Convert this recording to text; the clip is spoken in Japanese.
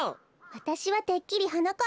わたしはてっきりはなかっ